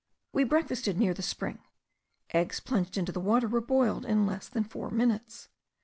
We breakfasted near the spring; eggs plunged into the water were boiled in less than four minutes.